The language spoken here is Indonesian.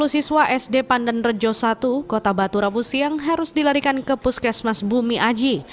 dua puluh siswa sd pandan rejo satu kota batu rabu siang harus dilarikan ke puskesmas bumi aji